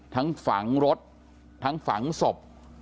ทั้งฝังรถทั้งฝังศพ